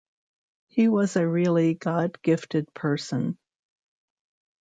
He was a really God gifted person.